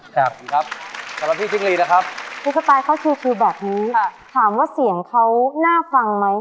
ครับสำหรับพี่พี่สไตล์เขาชิวชิวแบบนี้ค่ะถามว่าเสียงเขาน่าฟังไหม